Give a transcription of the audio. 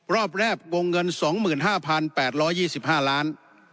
รอบแรกวงเงิน๒๕๘๒๕ล้าน